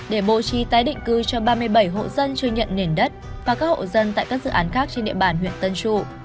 để bố trí tái định cư cho ba mươi bảy hộ dân chưa nhận nền đất và các hộ dân tại các dự án khác trên địa bàn huyện tân trụ